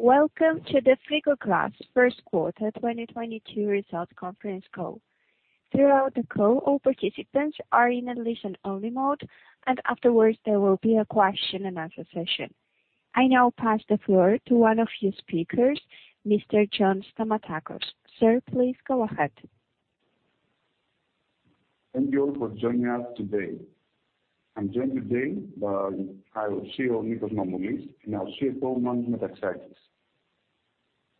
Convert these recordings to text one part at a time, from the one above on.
Welcome to the Frigoglass first quarter 2022 results conference call. Throughout the call, all participants are in a listen only mode, and afterwards there will be a question-and-answer session. I now pass the floor to one of your speakers, Mr. John Stamatakos. Sir, please go ahead. Thank you all for joining us today. I'm joined today by our CEO, Nikos Mamoulis, and our CFO, Manos Metaxakis.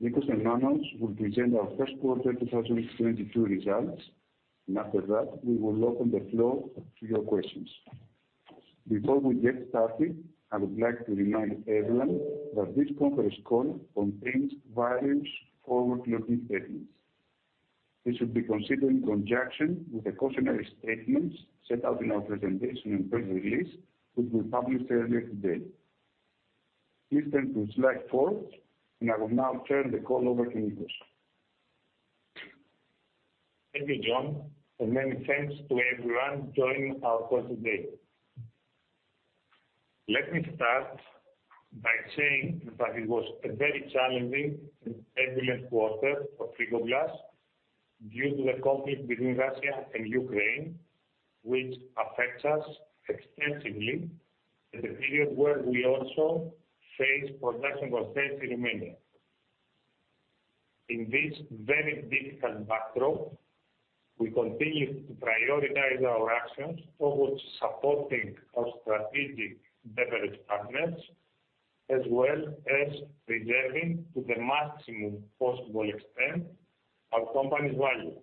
Nikos and Manos will present our first quarter 2022 results, and after that, we will open the floor to your questions. Before we get started, I would like to remind everyone that this conference call contains various forward-looking statements. These should be considered in conjunction with the cautionary statements set out in our presentation and press release, which we published earlier today. Please turn to slide four, and I will now turn the call over to Nikos. Thank you, John, and many thanks to everyone joining our call today. Let me start by saying that it was a very challenging and turbulent quarter for Frigoglass due to the conflict between Russia and Ukraine, which affects us extensively in a period where we also face production constraints in Romania. In this very difficult backdrop, we continue to prioritize our actions towards supporting our strategic beverage partners, as well as preserving to the maximum possible extent our company's value.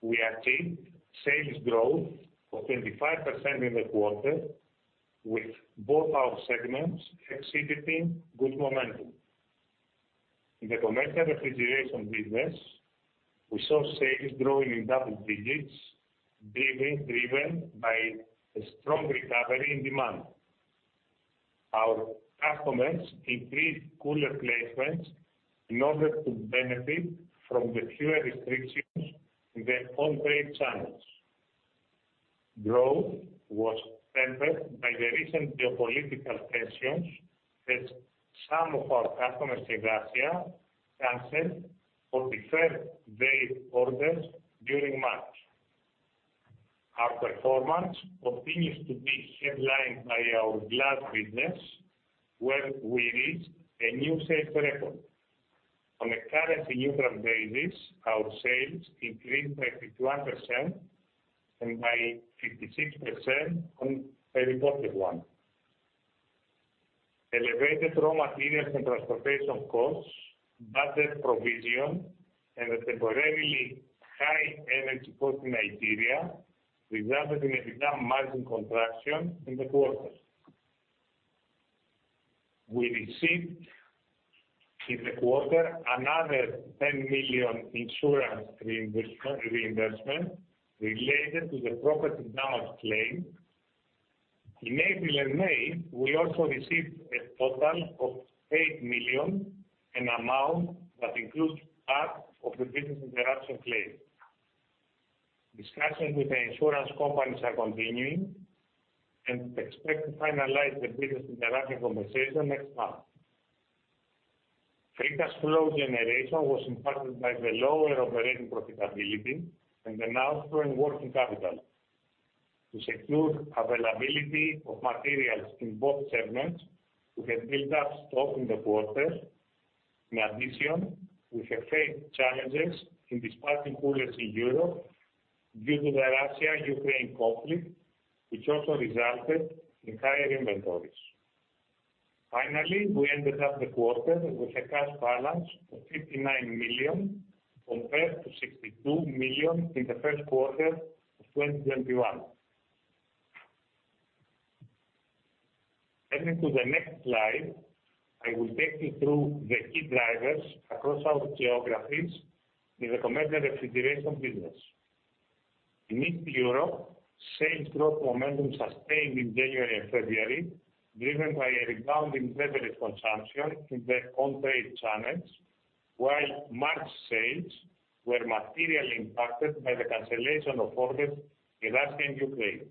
We achieved sales growth of 25% in the quarter with both our segments exhibiting good momentum. In the commercial refrigeration business, we saw sales growing in double digits, being driven by a strong recovery in demand. Our customers increased cooler placements in order to benefit from the fewer restrictions in the on-trade channels. Growth was tempered by the recent geopolitical tensions as some of our customers in Russia canceled or deferred their orders during March. Our performance continues to be headlined by our glass business, where we reached a new sales record. On a currency neutral basis, our sales increased 31% and by 56% on a reported basis. Elevated raw materials and transportation costs, bad debt provision, and the temporarily high energy costs in Nigeria resulted in EBITDA margin contraction in the quarter. We received in the quarter another 10 million insurance reimbursement related to the property damage claim. In April and May, we also received a total of 8 million, an amount that includes part of the business interruption claim. Discussions with the insurance companies are continuing, and expect to finalize the business interruption compensation next month. Free cash flow generation was impacted by the lower operating profitability and an outswing working capital. To secure availability of materials in both segments, we have built up stock in the quarter. In addition, we have faced challenges in dispatching coolers in Europe due to the Russia-Ukraine conflict, which also resulted in higher inventories. Finally, we ended up the quarter with a cash balance of 59 million, compared to 62 million in the first quarter of 2021. Turning to the next slide, I will take you through the key drivers across our geographies in the commercial refrigeration business. In Eastern Europe, sales growth momentum sustained in January and February, driven by a rebound in beverage consumption in the on-trade channels, while March sales were materially impacted by the cancellation of orders in Russia and Ukraine.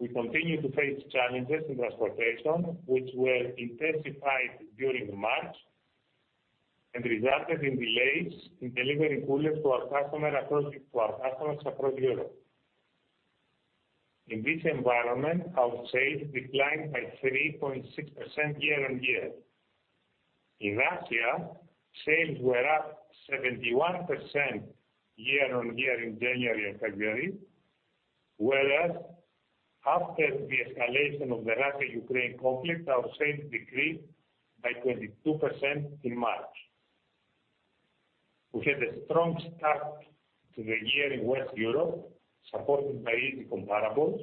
We continue to face challenges in transportation, which were intensified during March and resulted in delays in delivering coolers to our customers across Europe. In this environment, our sales declined by 3.6% year-on-year. In Russia, sales were up 71% year-on-year in January and February, whereas after the escalation of the Russia-Ukraine conflict, our sales decreased by 22% in March. We had a strong start to the year in Western Europe, supported by easy comparables.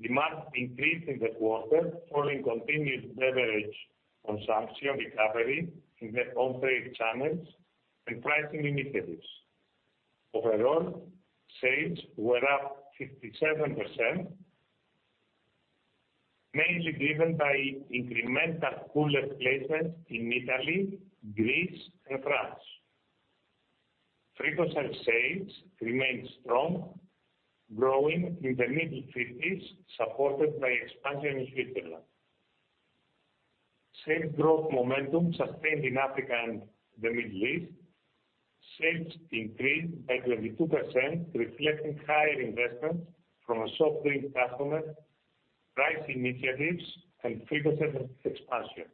Demand increased in the quarter following continued beverage consumption recovery in the on-trade channels and pricing initiatives. Overall, sales were up 57%, mainly driven by incremental cooler placements in Italy, Greece and France. Frigoserve sales remained strong, growing in the mid-50s%, supported by expansion in Switzerland. Sales growth momentum sustained in Africa and the Middle East. Sales increased by 22% reflecting higher investments from a soft drink customer, price initiatives and Frigoserve expansion.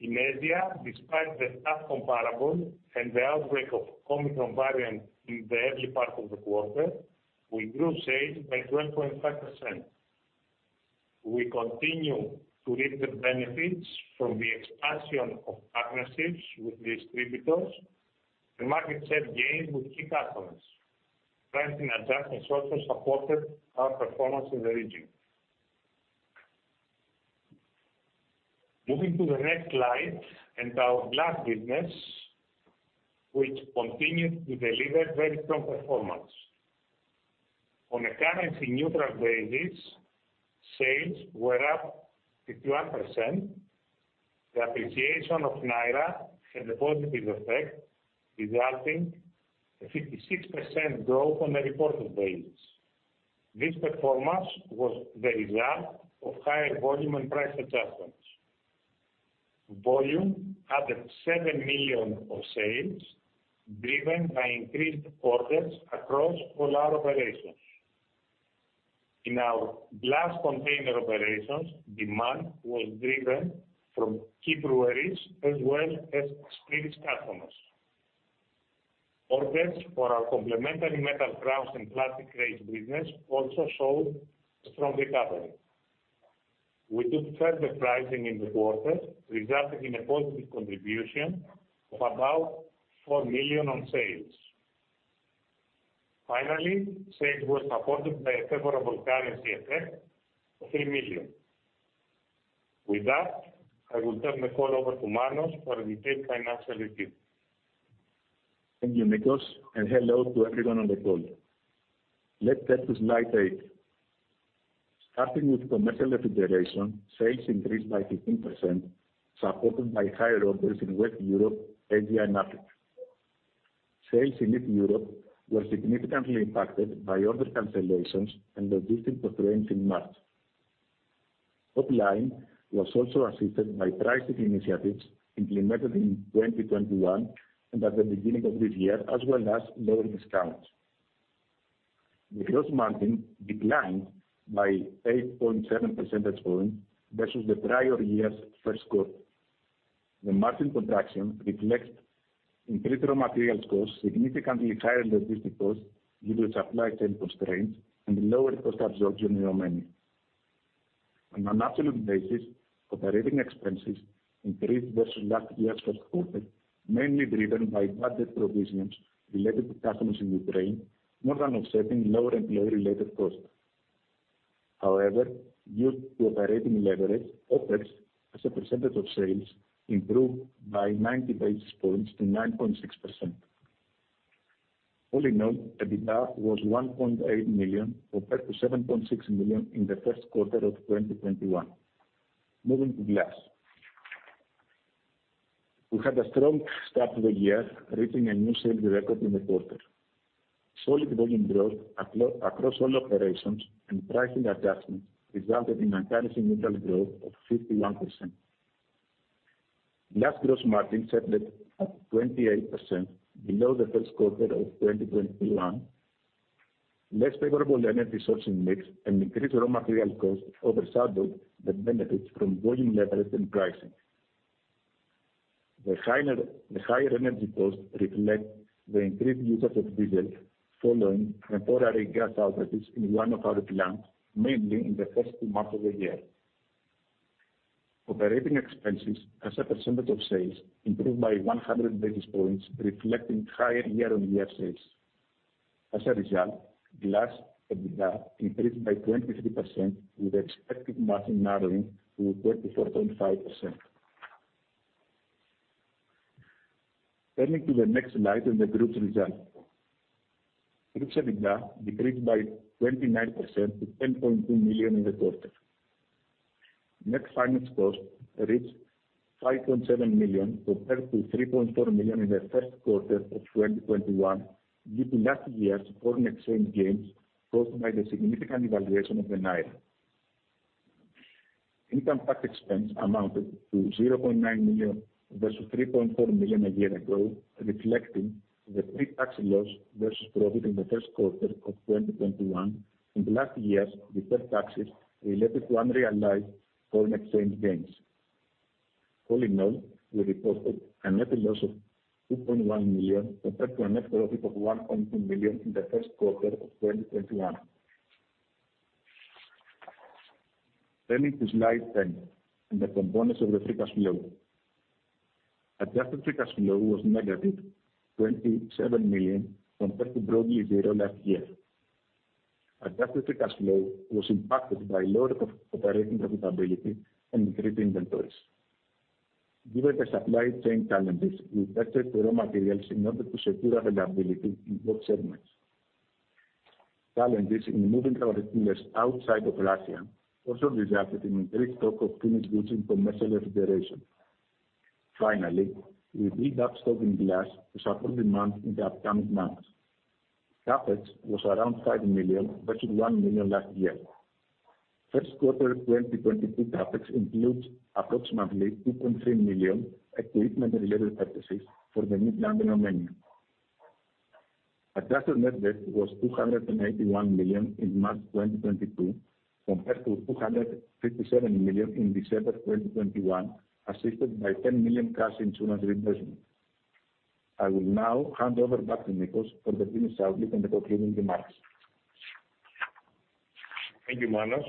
In Asia, despite the tough comparable and the outbreak of Omicron variant in the early part of the quarter, we grew sales by 12.5%. We continue to reap the benefits from the expansion of partnerships with distributors and market share gains with key customers. Pricing adjustments also supported our performance in the region. Moving to the next slide and our glass business, which continued to deliver very strong performance. On a currency neutral basis, sales were up 51%. The appreciation of Naira had a positive effect, resulting in a 56% growth on a reported basis. This performance was the result of higher volume and price adjustments. Volume added 7 million of sales, driven by increased orders across all our operations. In our glass container operations, demand was driven from key breweries as well as spirits customers. Orders for our complementary metal crowns and plastic crates business also showed a strong recovery. We did further pricing in the quarter, resulting in a positive contribution of about 4 million on sales. Finally, sales were supported by a favorable currency effect of EUR 3 million. With that, I will turn the call over to Manos for the detailed financial review. Thank you, Nikos, and hello to everyone on the call. Let's turn to slide eight. Starting with commercial refrigeration, sales increased by 15%, supported by higher orders in West Europe, Asia and Africa. Sales in East Europe were significantly impacted by order cancellations and logistics constraints in March. Top line was also assisted by pricing initiatives implemented in 2021 and at the beginning of this year, as well as lower discounts. The gross margin declined by 8.7 percentage points versus the prior year's first quarter. The margin contraction reflects increased raw materials costs, significantly higher logistics costs due to supply chain constraints and lower cost absorption in Romania. On an absolute basis, operating expenses increased versus last year's first quarter, mainly driven by bad debt provisions related to customers in Ukraine, more than offsetting lower employee-related costs. However, due to operating leverage, OpEx as a percentage of sales improved by 90 basis points to 9.6%. All in all, EBITDA was 1.8 million compared to 7.6 million in the first quarter of 2021. Moving to glass. We had a strong start to the year, reaching a new sales record in the quarter. Solid volume growth across all operations and pricing adjustments resulted in a currency neutral growth of 51%. Glass gross margin settled at 28% below the first quarter of 2021. Less favorable energy sourcing mix and increased raw material costs overshadowed the benefits from volume leverage and pricing. The higher energy cost reflects the increased use of diesel following temporary gas outages in one of our plants, mainly in the first two months of the year. Operating expenses as a percentage of sales improved by 100 basis points, reflecting higher year-on-year sales. As a result, glass EBITDA increased by 23% with expected margin narrowing to 34.5%. Turning to the next slide and the group's results. Group EBITDA decreased by 29% to 10.2 million in the quarter. Net finance costs reached 5.7 million compared to 3.4 million in the first quarter of 2021 due to last year's foreign exchange gains caused by the significant devaluation of the Naira. Income tax expense amounted to 0.9 million versus 3.4 million a year ago, reflecting the pre-tax loss versus profit in the first quarter of 2021 and last year's deferred taxes related to unrealized foreign exchange gains. All in all, we reported a net loss of 2.1 million compared to a net profit of 1.2 million in the first quarter of 2021. Turning to slide 10 and the components of the free cash flow. Adjusted free cash flow was -27 million compared to broadly zero last year. Adjusted free cash flow was impacted by lower operating profitability and increased inventories. Given the supply chain challenges, we invested in raw materials in order to secure availability in both segments. Challenges in moving our containers outside of Russia also resulted in increased stock of finished goods in commercial refrigeration. Finally, we built up stock in glass to support demand in the upcoming months. CapEx was around 5 million versus 1 million last year. First quarter 2022 CapEx includes approximately 2.3 million equipment-related purchases for the new plant in Romania. Adjusted net debt was 281 million in March 2022 compared to 257 million in December 2021, assisted by 10 million cash insurance reimbursement. I will now hand over back to Nikos for the business outlook and the concluding remarks. Thank you, Manos.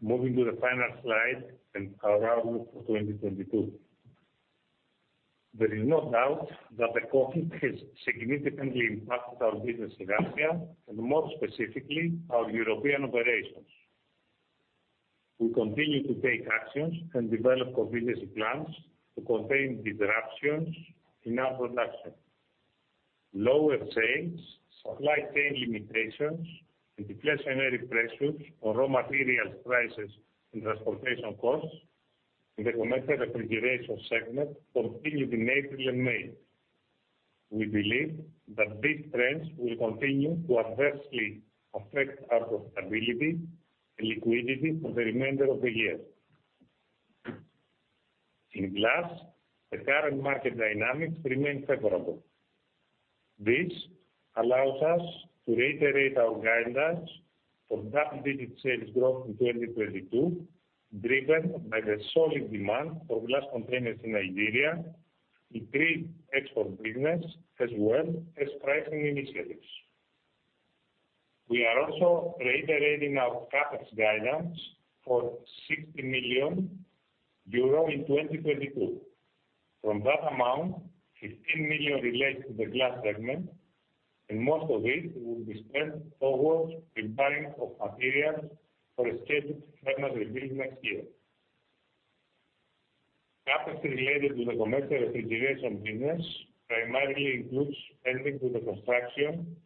Moving to the final slide and our outlook for 2022. There is no doubt that the conflict has significantly impacted our business in Russia and more specifically, our European operations. We continue to take actions and develop contingency plans to contain disruptions in our production. Lower sales, supply chain limitations, and deflationary pressures on raw materials prices and transportation costs in the commercial refrigeration segment continued in April and May. We believe that these trends will continue to adversely affect our profitability and liquidity for the remainder of the year. In glass, the current market dynamics remain favorable. This allows us to reiterate our guidance for double-digit sales growth in 2022, driven by the solid demand for glass containers in Nigeria, increased export business as well as pricing initiatives. We are also reiterating our CapEx guidance for 60 million euro in 2022. From that amount, 15 million relates to the glass segment, and most of this will be spent towards the buying of materials for a scheduled furnace rebuild next year. CapEx related to the commercial refrigeration business primarily includes funding for the construction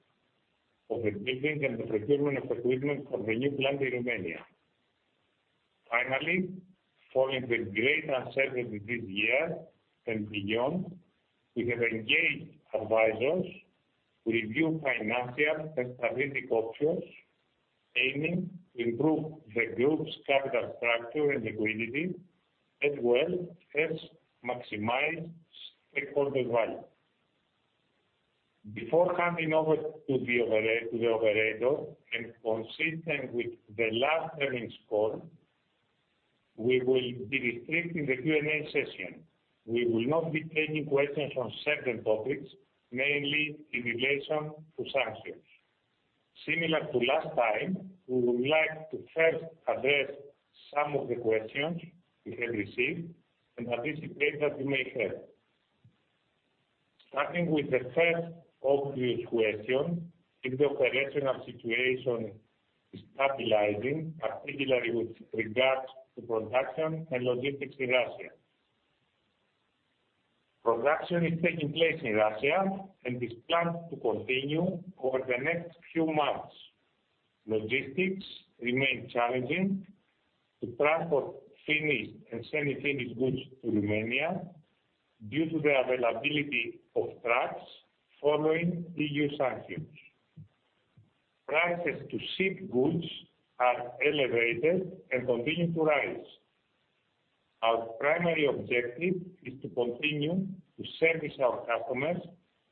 of the building and the procurement of equipment for the new plant in Romania. Following the great uncertainty this year and beyond, we have engaged advisors to review financial and strategic options aiming to improve the group's capital structure and liquidity, as well as maximize stakeholder value. Before handing over to the operator, and consistent with the last earnings call, we will be restricting the Q&A session. We will not be taking questions on certain topics, mainly in relation to sanctions. Similar to last time, we would like to first address some of the questions we have received and anticipate that you may have. Starting with the first obvious question, if the operational situation is stabilizing, particularly with regards to production and logistics in Russia? Production is taking place in Russia and is planned to continue over the next few months. Logistics remain challenging to transport finished and semi-finished goods to Romania due to the availability of trucks following EU sanctions. Prices to ship goods are elevated and continue to rise. Our primary objective is to continue to service our customers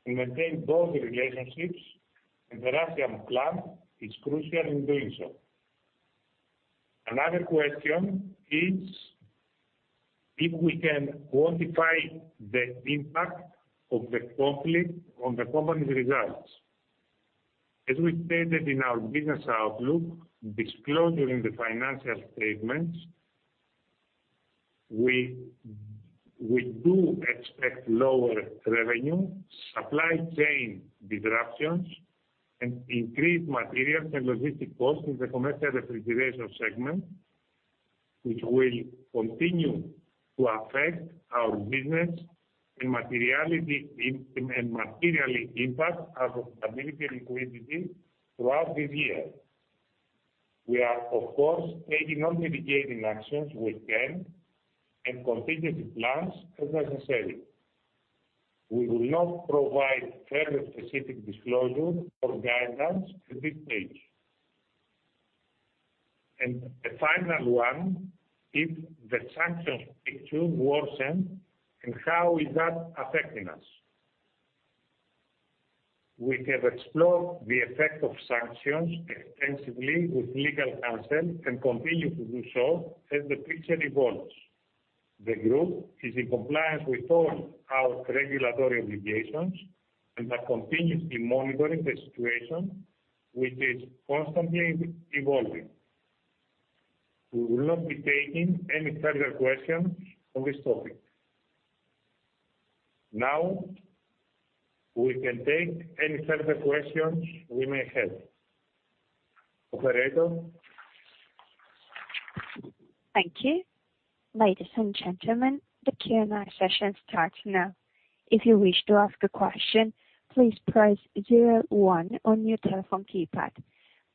and maintain those relationships, and the Russian plant is crucial in doing so. Another question is if we can quantify the impact of the conflict on the company's results? As we stated in our business outlook disclosure in the financial statements, we do expect lower revenue, supply chain disruptions, and increased materials and logistics costs in the commercial refrigeration segment, which will continue to affect our business and materially impact our profitability and liquidity throughout this year. We are, of course, taking all mitigating actions we can and contingency plans as necessary. We will not provide further specific disclosure or guidance at this stage. The final one, if the sanctions picture worsens, and how is that affecting us? We have explored the effect of sanctions extensively with legal counsel and continue to do so as the picture evolves. The group is in compliance with all our regulatory obligations and are continuously monitoring the situation, which is constantly evolving. We will not be taking any further questions on this topic. Now, we can take any further questions we may have. Operator? Thank you. Ladies and gentlemen, the Q&A session starts now. If you wish to ask a question, please press zero one on your telephone keypad.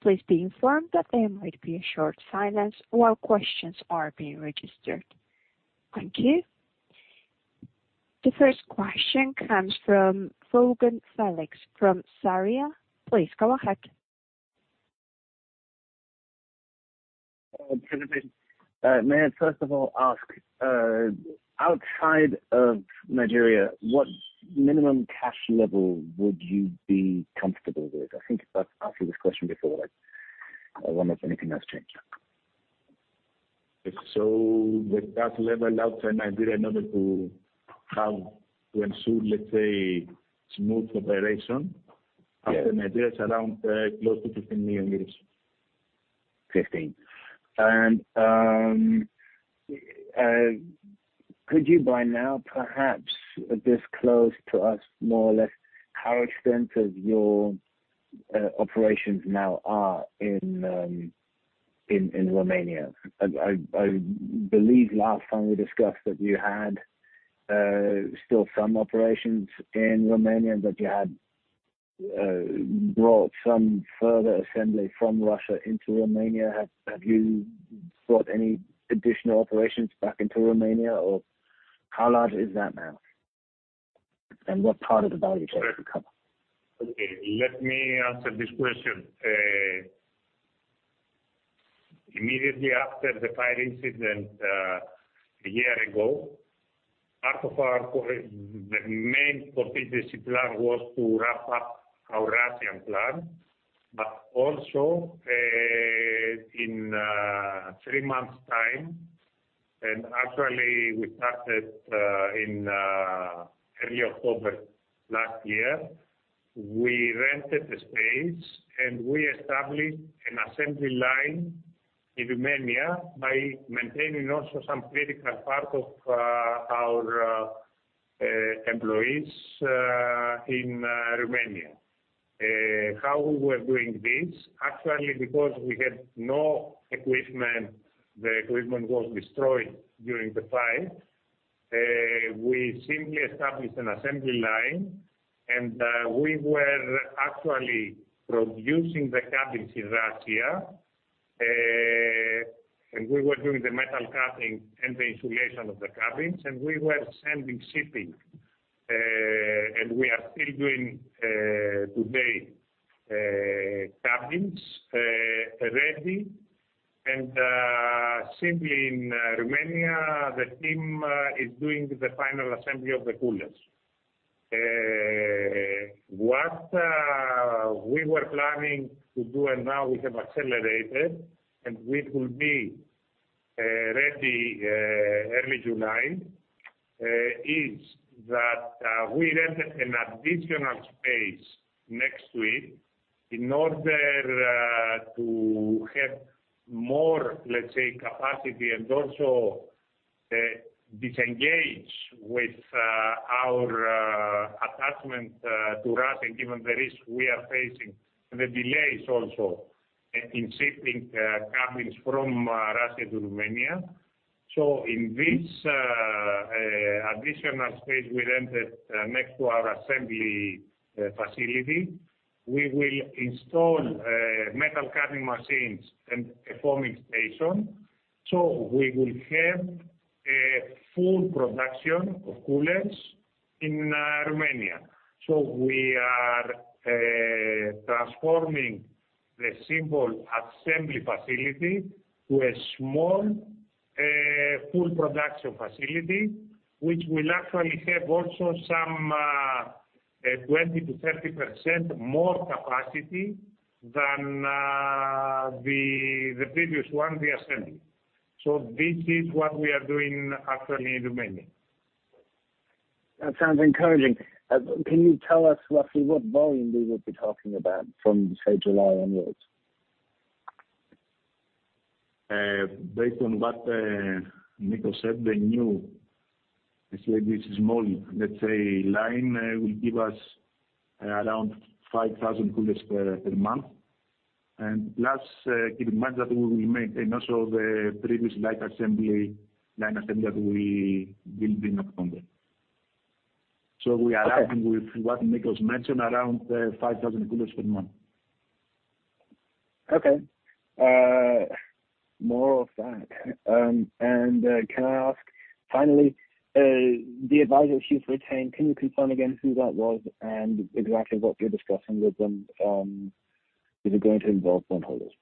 Please be informed that there might be a short silence while questions are being registered. Thank you. The first question comes from Wolfgang Felix from Sarria. Please go ahead. May I first of all ask, outside of Nigeria, what minimum cash level would you be comfortable with? I think that's asked you this question before, but I wonder if anything has changed. If so, the cash level outside Nigeria in order to ensure, let's say, smooth operation. Yeah. After Nigeria is around, close to 15 million euros. 15 million. Could you by now perhaps disclose to us more or less how extensive your operations now are in Romania? I believe last time we discussed that you had still some operations in Romania, but you had brought some further assembly from Russia into Romania. Have you brought any additional operations back into Romania, or how large is that now? What part of the value chain does it cover? Okay. Let me answer this question. Immediately after the fire incident, a year ago, part of the main contingency plan was to wrap up our Russian plan, but also, in three months’ time, and actually we started in early October last year. We rented the space, and we established an assembly line in Romania by maintaining also some critical part of our employees in Romania. How we were doing this, actually because we had no equipment. The equipment was destroyed during the fire. We simply established an assembly line, and we were actually producing the cabins in Russia. We were doing the metal cutting and the insulation of the cabins, and we were sending shipping, and we are still doing today, cabins ready. Simply in Romania, the team is doing the final assembly of the coolers. What we were planning to do, and now we have accelerated, and we will be ready early July, is that we rented an additional space next week in order to have more, let's say, capacity and also disengage with our attachment to Russia, given the risk we are facing, the delays also in shipping cabins from Russia to Romania. In this additional space we rented next to our assembly facility, we will install metal cutting machines and a foaming station, so we will have a full production of coolers in Romania. We are transforming the simple assembly facility to a small full production facility, which will actually have also some 20%-30% more capacity than the previous one we assembled. This is what we are doing actually in Romania. That sounds encouraging. Can you tell us roughly what volume we would be talking about from, say, July onwards? Based on what Nikos said, the new, let's say, this small, let's say line, will give us around 5,000 coolers per month. Plus, keep in mind that we will maintain also the previous light assembly line that we built in October. We are looking. Okay. With what Nikos mentioned, around 5,000 coolers per month. Okay. More of that. Can I ask finally, the advisor you've retained? Can you confirm again who that was and exactly what you're discussing with them? Is it going to involve bondholders?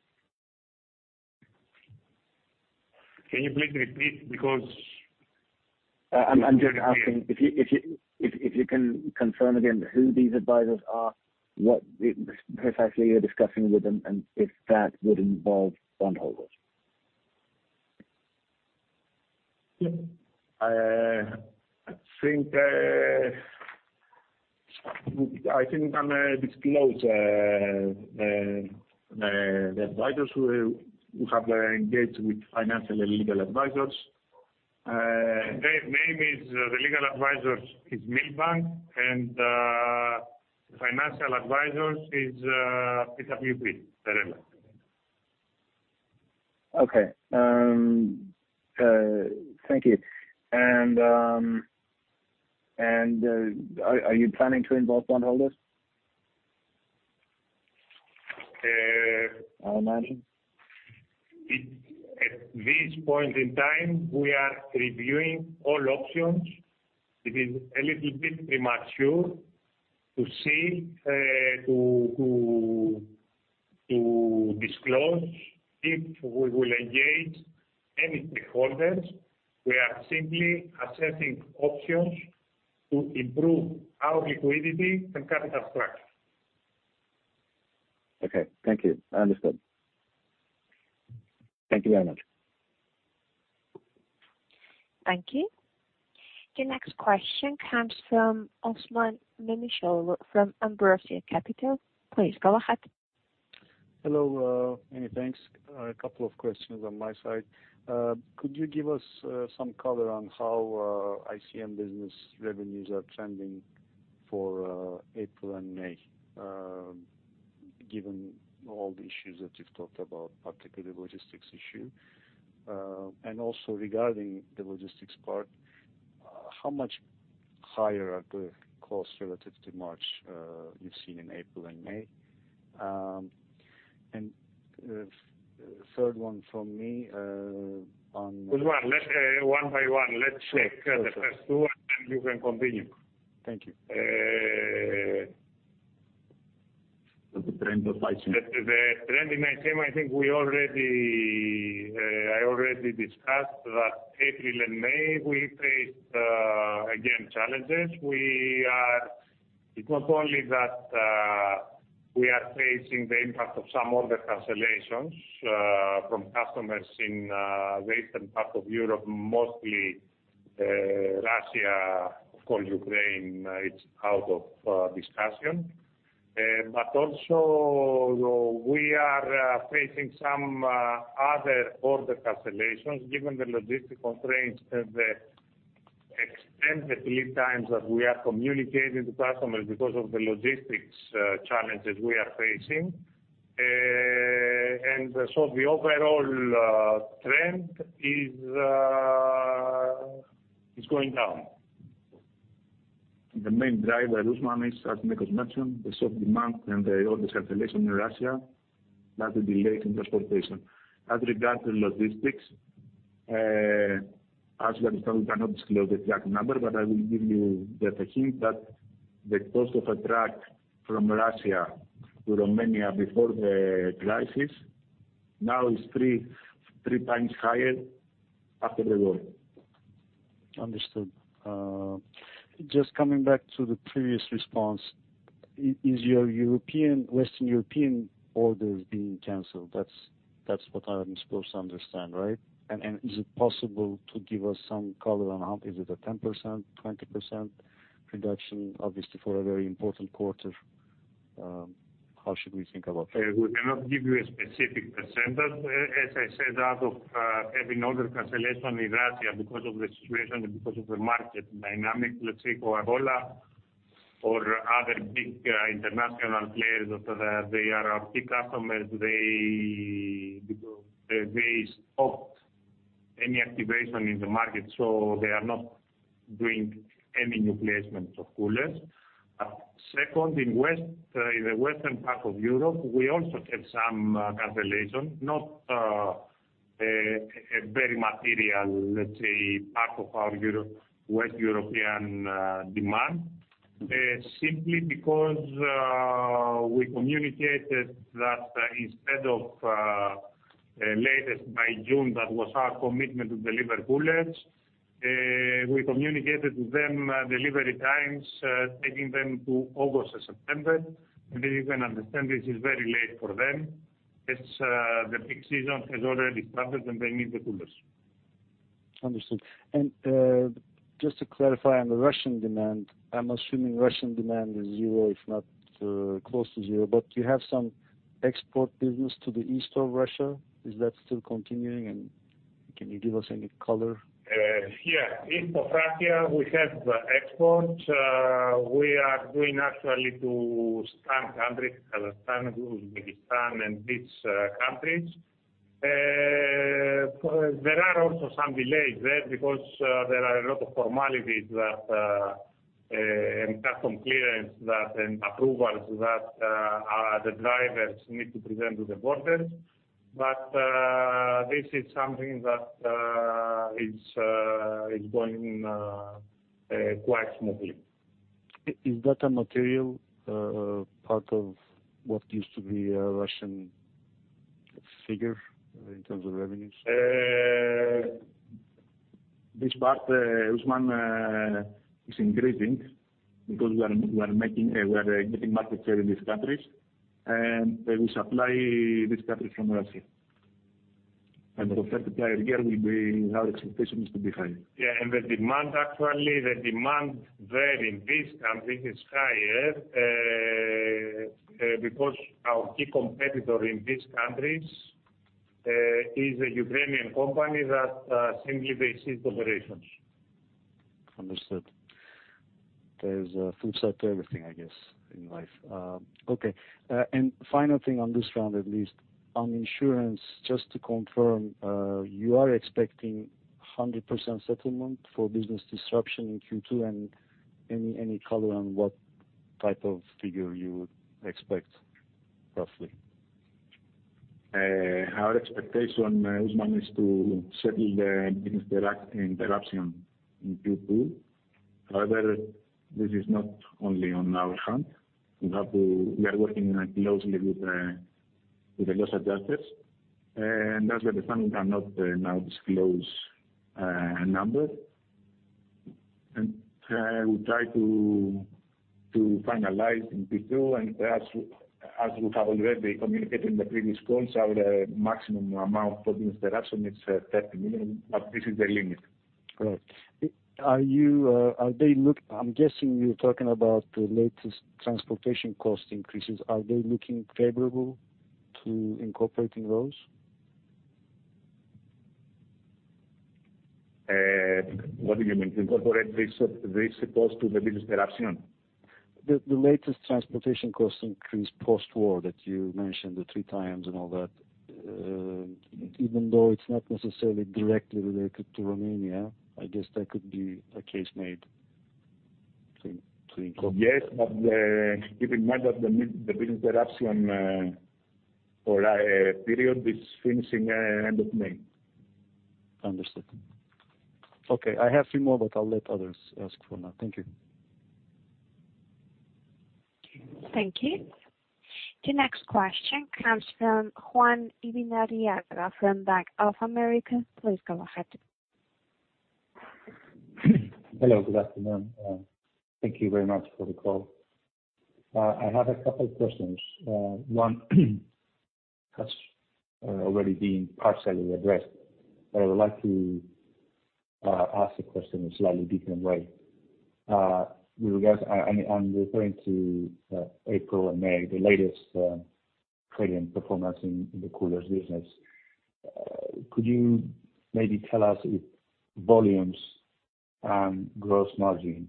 Can you please repeat? I'm just asking if you can confirm again who these advisors are, what precisely you're discussing with them, and if that would involve bondholders. I think I'm gonna disclose the advisors who we have engaged with financial and legal advisors. Their name is, the legal advisor is Milbank, and financial advisor is PwC, the regular. Okay. Thank you. Are you planning to involve bondholders? Uh- I imagine. At this point in time, we are reviewing all options. It is a little bit premature to disclose if we will engage any stakeholders. We are simply assessing options to improve our liquidity and capital structure. Okay, thank you. I understood. Thank you very much. Thank you. The next question comes from Osman Memisoglu from Ambrosia Capital. Please go ahead. Hello, many thanks. A couple of questions on my side. Could you give us some color on how ICM business revenues are trending for April and May, given all the issues that you've talked about, particularly logistics issue? Also regarding the logistics part, how much higher are the costs relative to March you've seen in April and May? The third one from me, on- Osman, let's one by one, let's check the first two, and you can continue. Thank you. Uh- The trend of ICM. The trend in ICM, I think I already discussed that April and May we faced again challenges. It's not only that we are facing the impact of some order cancellations from customers in the eastern part of Europe, mostly Russia. Of course, Ukraine it's out of discussion. But also we are facing some other order cancellations given the logistical constraints and the extended lead times that we are communicating to customers because of the logistics challenges we are facing. The overall trend is going down. The main driver, Osman, is as Nikos mentioned, the soft demand and the order cancellation in Russia plus the delay in transportation. As regards logistics, as you understand, we cannot disclose the exact number, but I will give you the hint that the cost of a truck from Russia to Romania before the crisis now is 3 times higher after the war. Understood. Just coming back to the previous response, is your European, Western European orders being canceled? That's what I'm supposed to understand, right? Is it possible to give us some color on how. Is it a 10%, 20% reduction, obviously for a very important quarter? How should we think about that? We cannot give you a specific percentage. As I said, out of having order cancellation in Russia because of the situation and because of the market dynamics, let's say, Coca-Cola or other big international players that they are our key customers, they stopped any activation in the market, so they are not doing any new placements of coolers. Second, in the western part of Europe, we also have some cancellation, not a very material, let's say, part of our Euro-West European demand. Simply because we communicated that instead of latest by June, that was our commitment to deliver coolers, we communicated to them delivery times taking them to August or September. As you can understand, this is very late for them. It's the peak season has already started, and they need the coolers. Understood. Just to clarify on the Russian demand, I'm assuming Russian demand is zero, if not, close to zero. You have some export business to the east of Russia. Is that still continuing, and can you give us any color? Yeah. East of Russia, we have exports. We are doing actually to Stan countries, Kazakhstan, Uzbekistan, and these countries. There are also some delays there because there are a lot of formalities and customs clearance and approvals that the drivers need to present to the borders. This is something that is going quite smoothly. Is that a material part of what used to be a Russian figure in terms of revenues? Uh- This part, Osman, is increasing because we are making, we are getting market share in these countries, and we supply these countries from Russia. The effect here will be our expectation is to be high. Yeah, the demand actually there in these countries is higher, because our key competitor in these countries is a Ukrainian company that simply they ceased operations. Understood. There's a flip side to everything, I guess, in life. Okay. Final thing on this round, at least on insurance, just to confirm, you are expecting 100% settlement for business disruption in Q2, and any color on what type of figure you would expect roughly? Our expectation, Osman, is to settle the business interruption in Q2. However, this is not only in our hands. We are working closely with the loss adjusters. That's why we cannot now disclose a number. We try to finalize in Q2, and as we have already communicated in the previous calls, our maximum amount for business interruption is 30 million, but this is the limit. Right. I'm guessing you're talking about the latest transportation cost increases. Are they looking favorable to incorporating those? What do you mean? Incorporate this cost to the business interruption? The latest transportation cost increase post-war that you mentioned, the three times and all that. Even though it's not necessarily directly related to Romania, I guess there could be a case made to incorporate. Yes, keep in mind that the business interruption or period is finishing, end of May. Understood. Okay, I have a few more, but I'll let others ask for now. Thank you. Thank you. The next question comes from Juan Ibinarriaga from Bank of America. Please go ahead. Hello, good afternoon. Thank you very much for the call. I have a couple questions. One has already been partially addressed, but I would like to ask the question in a slightly different way. With regards, I'm referring to April and May, the latest trading performance in the coolers business. Could you maybe tell us if volumes and gross margin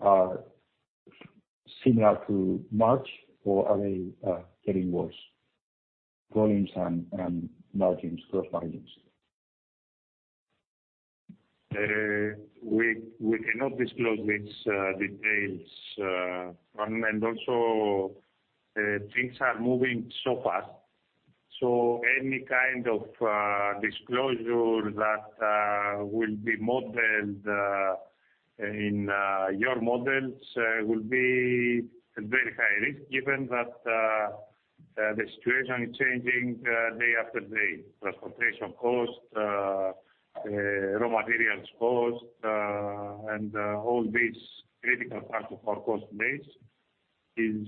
are similar to March or are they getting worse? Volumes and gross margins. We cannot disclose these details, Juan. Also, things are moving so fast, so any kind of disclosure that will be modeled in your models will be at very high risk given that the situation is changing day after day. Transportation costs, raw materials costs, and all these critical parts of our cost base is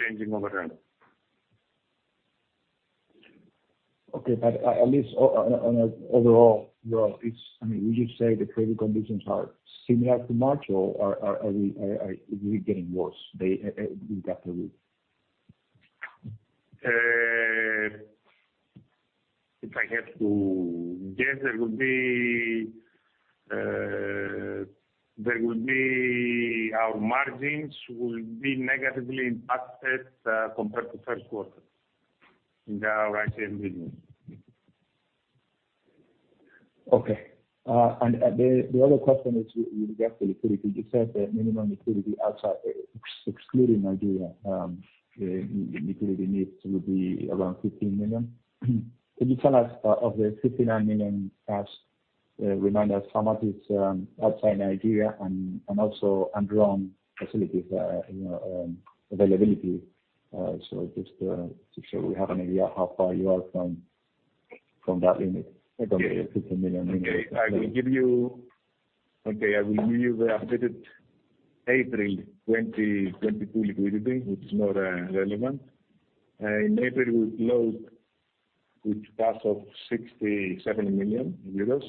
changing over time. Okay. At least on a overall growth, it's I mean, would you say the trading conditions are similar to March or are they really getting worse day week-after-week? If I have to guess, our margins will be negatively impacted, compared to first quarter in our ready-to-drink business. Okay. The other question is with regards to liquidity. You said that minimum liquidity outside excluding Nigeria, liquidity needs will be around 15 million. Could you tell us of the 59 million cash, remind us how much is outside Nigeria and also undrawn facilities, you know, availability. To show we have an idea how far you are from that limit, from the EUR 15 million limit. I will give you the updated April 2022 liquidity, which is more relevant. In April we closed with cash of 67 million euros,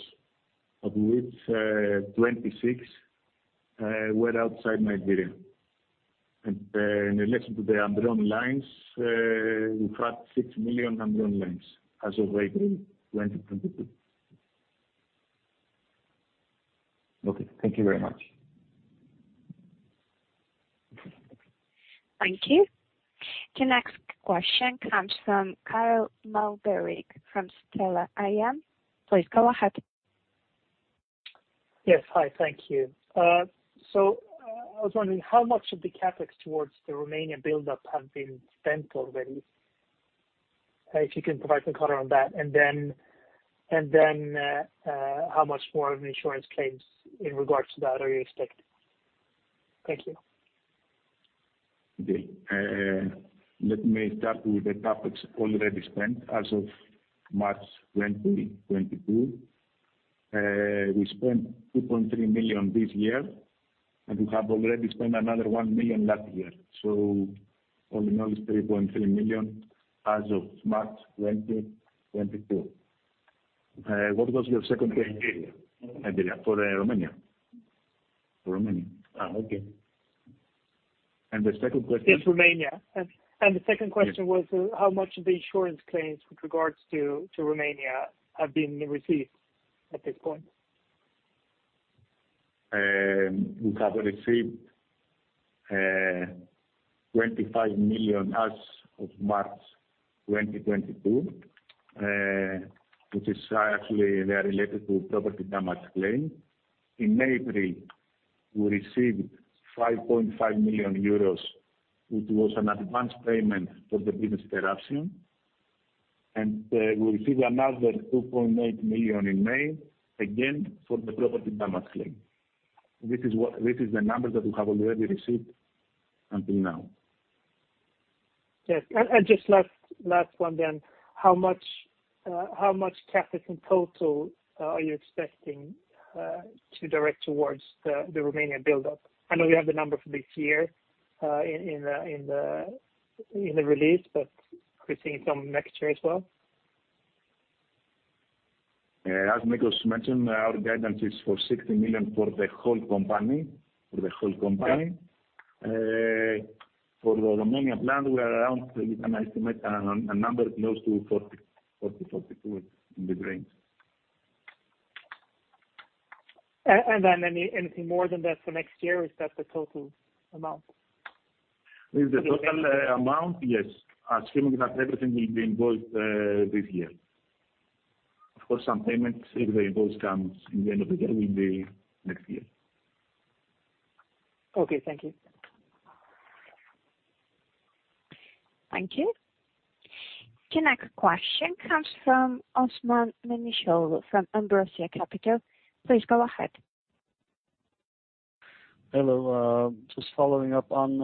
of which 26 million were outside Nigeria. In relation to the undrawn lines, we've had 6 million undrawn lines as of April 2022. Okay. Thank you very much. Thank you. The next question comes from Carl Malmberg from Stena AM. Please go ahead. Yes. Hi. Thank you. I was wondering how much of the CapEx towards the Romania build-up have been spent already, if you can provide some color on that. How much more of insurance claims in regards to that are you expecting? Thank you. Let me start with the CapEx already spent as of March 2022. We spent 2.3 million this year, and we have already spent another 1 million last year. All in all, it's 3.3 million as of March 2022. What was your second question? Nigeria. Nigeria. For Romania? Okay. The second question? Is Romania. The second question was. Yes. How much of the insurance claims with regards to Romania have been received at this point? We have received 25 million as of March 2022, which is actually they are related to property damage claim. In April, we received 5.5 million euros, which was an advanced payment for the business interruption. We received another 2.8 million in May, again, for the property damage claim. This is the numbers that we have already received until now. Yes. Just last one then. How much capital in total are you expecting to direct towards the Romanian build-up? I know you have the number for this year in the release, but could we see some next year as well? Yeah. As Nikos mentioned, our guidance is for 60 million for the whole company. Okay. For the Romania plant, we are around an estimate, a number close to 40 million-42 million, in that range. Anything more than that for next year, or is that the total amount? It's the total amount, yes. Assuming that everything will be invoiced this year. Of course, some payments, if the invoice comes in the end of the year, will be next year. Okay, thank you. Thank you. The next question comes from Osman Minishau from Ambrosia Capital. Please go ahead. Hello. Just following up on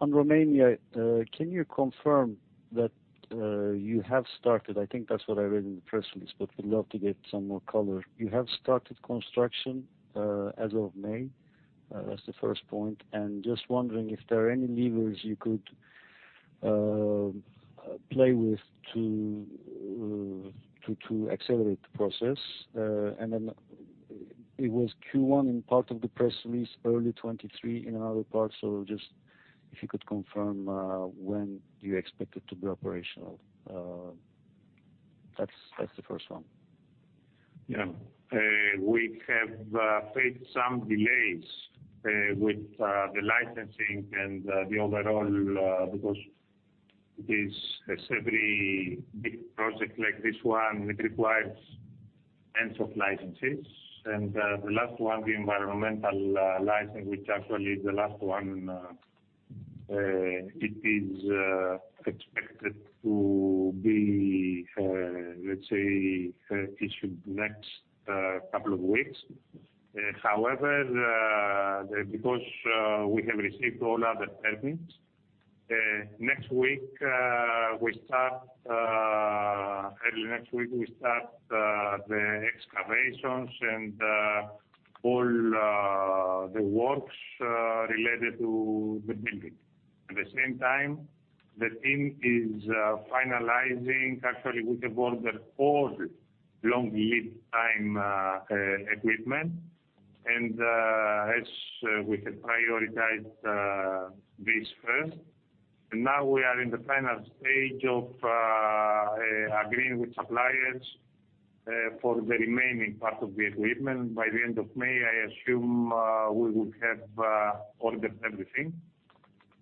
Romania. Can you confirm that you have started? I think that's what I read in the press release, but would love to get some more color. You have started construction as of May. That's the first point. Just wondering if there are any levers you could play with to accelerate the process. It was Q1 in part of the press release, early 2023 in another part. Just if you could confirm when you expect it to be operational. That's the first one. Yeah, we have faced some delays with the licensing and the overall, because it is a very big project like this one, it requires a number of licenses. The last one, the environmental license, which actually is the last one, it is expected to be, let's say, issued next couple of weeks. However, because we have received all other permits, early next week we start the excavations and all the works related to the building. At the same time, actually, we have ordered all long lead time equipment. As we had prioritized this first, and now we are in the final stage of agreeing with suppliers for the remaining part of the equipment. By the end of May, I assume, we will have ordered everything.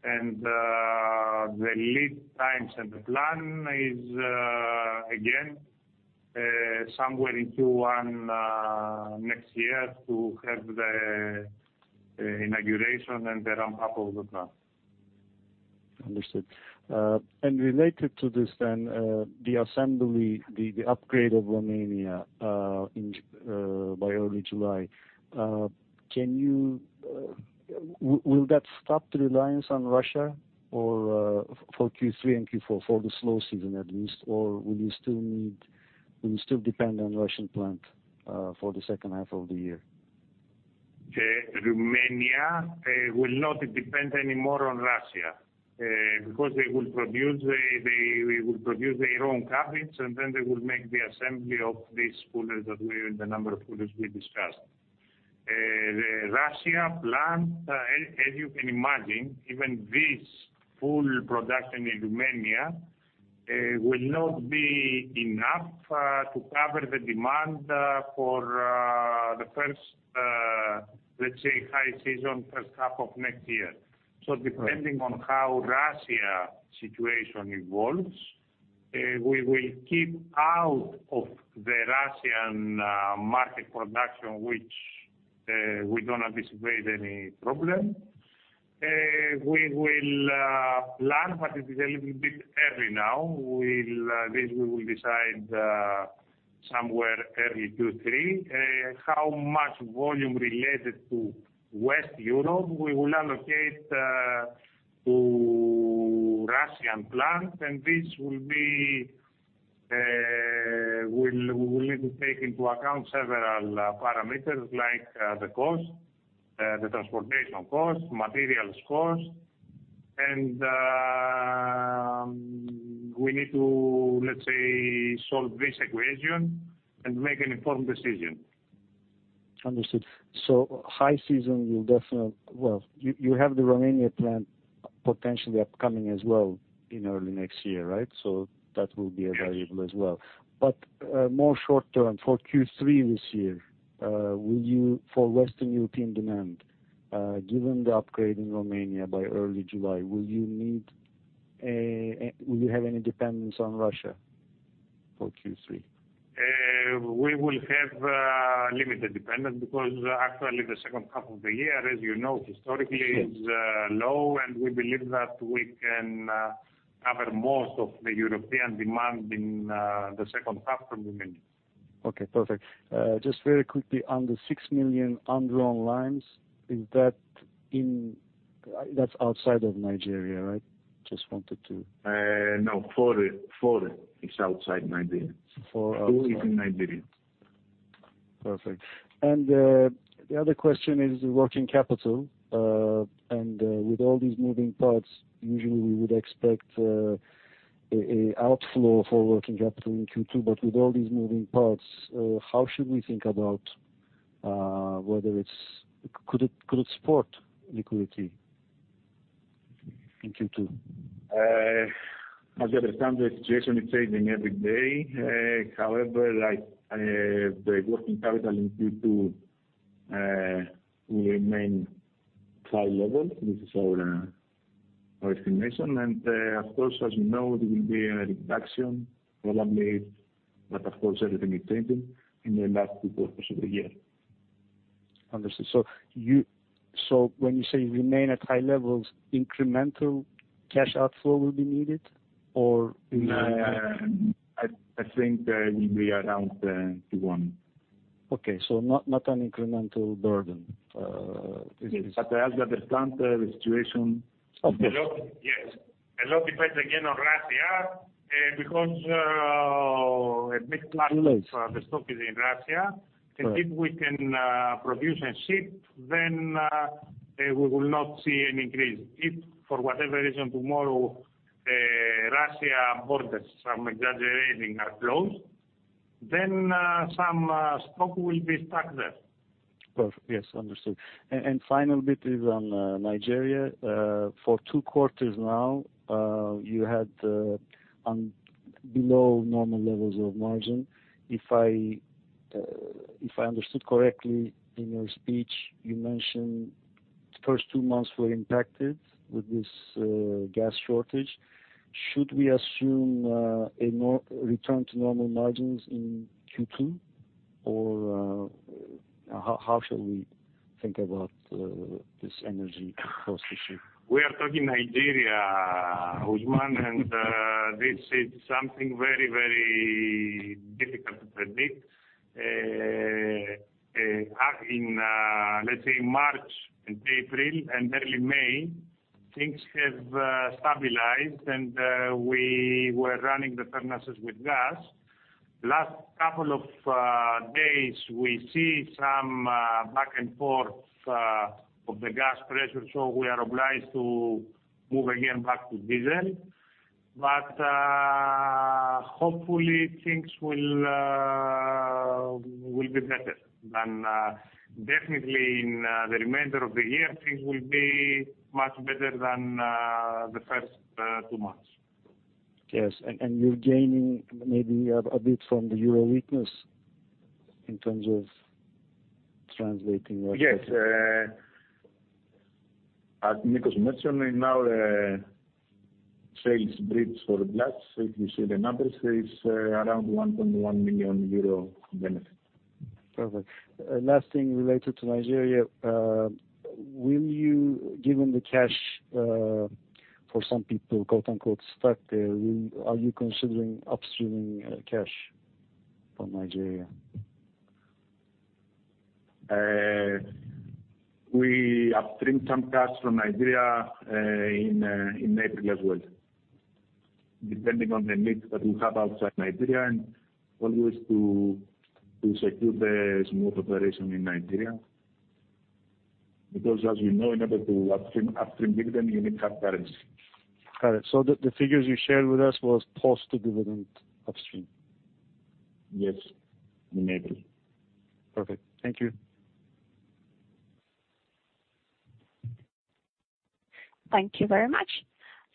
The lead times and the plan is again somewhere in Q1 next year to have the inauguration and the ramp up of the plant. Understood. Related to this then, the upgrade of Romania by early July, will that stop the reliance on Russia or for Q3 and Q4, for the slow season at least? Or will you still depend on Russian plant for the second half of the year? Romania will not depend anymore on Russia because they will produce their own cabins, and then they will make the assembly of these coolers, the number of coolers we discussed. The Russian plant, as you can imagine, even this full production in Romania will not be enough to cover the demand for the first, let's say, high season, first half of next year. Right. Depending on how Russian situation evolves, we will keep out of the Russian market production, which we don't anticipate any problem. We will plan, but it is a little bit early now. We will decide this somewhere early Q3, how much volume related to Western Europe we will allocate to Russian plant. This will be, we will need to take into account several parameters like the cost, the transportation cost, materials cost. We need to, let's say, solve this equation and make an informed decision. Understood. High season will definitely. Well, you have the Romania plant potentially upcoming as well in early next year, right? That will be available as well. More short term, for Q3 this year, for Western European demand, given the upgrade in Romania by early July, will you have any dependence on Russia for Q3? We will have limited dependence because actually the second half of the year, as you know, historically. Yes. is low, and we believe that we can cover most of the European demand in the second half from Romania. Okay, perfect. Just very quickly on the 6 million undrawn lines, that's outside of Nigeria, right? No, 4 million is outside Nigeria. 4 million outside. EUR 2 million is in Nigeria. Perfect. The other question is working capital. With all these moving parts, usually we would expect an outflow for working capital in Q2, but with all these moving parts, how should we think about whether it's. Could it support liquidity in Q2? As you understand, the situation is changing every day. However, like, the working capital in Q2 will remain high level. This is our estimation. Of course, as you know, there will be a reduction probably, but of course everything is changing in the last two quarters of the year. Understood. When you say remain at high levels, incremental cash outflow will be needed? Yeah, I think it will be around 2.1. Okay. Not an incremental burden. As you understand the situation. Of course. Yes. A lot depends again on Russia, because a big part- Right. of the stock is in Russia. Right. If we can produce and ship, then we will not see an increase. If for whatever reason tomorrow, Russian borders, I'm exaggerating, are closed, then some stock will be stuck there. Perfect. Yes, understood. Final bit is on Nigeria. For two quarters now, you had on below normal levels of margin. If I understood correctly in your speech, you mentioned the first two months were impacted with this gas shortage. Should we assume a no return to normal margins in Q2? How should we think about this energy cost issue? We are talking about Nigeria, Osman, and this is something very, very difficult to predict. Let's say March and April and early May, things have stabilized and we were running the furnaces with gas. Last couple of days we see some back and forth of the gas pressure, so we are obliged to move again back to diesel. Hopefully things will be better. Definitely in the remainder of the year things will be much better than the first two months. Yes. You're gaining maybe a bit from the euro weakness in terms of translating. Yes. As Nikos mentioned, now the sales bridge or FX, if you see the numbers, there is around 1.1 million euro benefit. Perfect. Last thing related to Nigeria. Will you, given the cash, for some people, quote-unquote, "stuck there," are you considering upstreaming, cash from Nigeria? We upstreamed some cash from Nigeria in April as well, depending on the needs that we have outside Nigeria and always to secure the smooth operation in Nigeria. Because as you know, in order to upstream dividend, you need to have currency. Got it. The figures you shared with us was post-dividend upstream? Yes. In April. Perfect. Thank you. Thank you very much.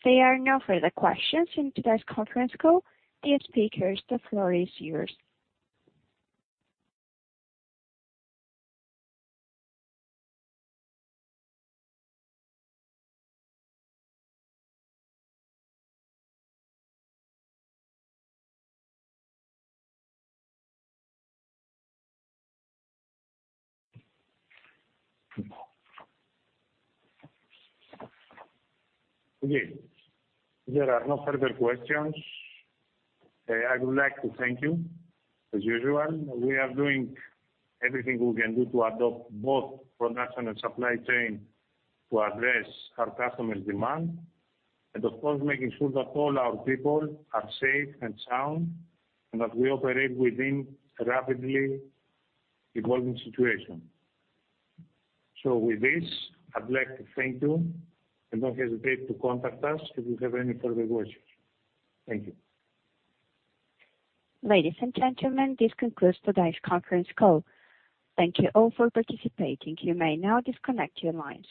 There are no further questions in today's conference call. Dear speakers, the floor is yours. Okay. If there are no further questions, I would like t o thank you as usual. We are doing everything we can do to adopt both production and supply chain to address our customers' demand and of course making sure that all our people are safe and sound and that we operate within a rapidly evolving situation. With this, I'd like to thank you and don't hesitate to contact us if you have any further questions. Thank you. Ladies and gentlemen, this concludes today's conference call. Thank you all for participating. You may now disconnect your lines.